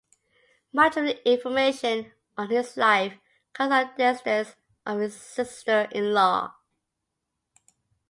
Much of the information on his life comes from descendants of his sister-in-law.